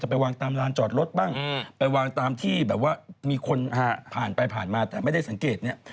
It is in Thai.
ไปวางตามลานจอดรถบ้างไปวางตามที่แบบว่ามีคนผ่านไปผ่านมาแต่ไม่ได้สังเกตเนี่ย